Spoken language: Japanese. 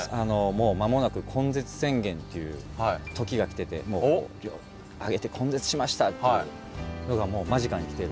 もう間もなく根絶宣言っていう時が来てて手を挙げて根絶しましたっていうのがもう間近に来ているので。